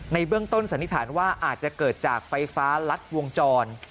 ก็สันนิษฐานว่าอาจจะเกิดจากไฟฟ้าลัดวงจร